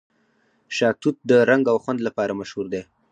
شاه توت د رنګ او خوند لپاره مشهور دی.